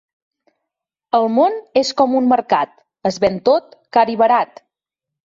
El món és com un mercat: es ven tot, car i barat.